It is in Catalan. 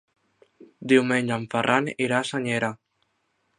Diumenge en Ferran irà a Senyera.